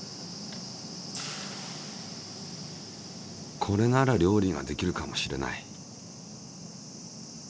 これなら料理ができるかもしれない。